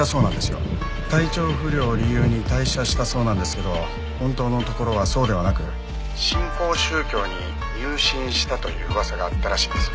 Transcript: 「体調不良を理由に退社したそうなんですけど本当のところはそうではなく新興宗教に入信したという噂があったらしいんです」